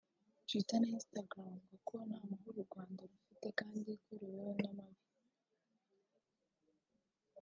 Twitter na Instagram bavuga ko nta mahoro u Rwanda rufite kandi ko ruyobowe nabi